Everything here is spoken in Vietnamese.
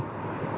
thậm chí là